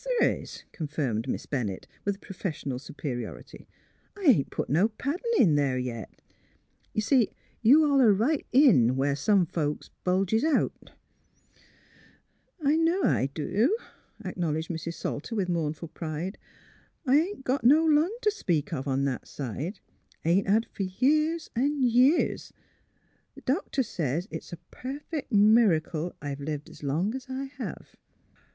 " Course the' is," confirmed Miss Bennett, with professional superiority. ^' I ain't put no paddin* in there yet. Y' see, you holler right in where some folks bulges out." '' I know I do, " acknowledged Mrs. Salter, with 171 172 THE HEART OF PHILURA mournful pride. '' I ain't got no lung t' speak of on that side. Ain't had fer years an' years; the doctor says it's a per fee' mericle I've lived 's long 's I have."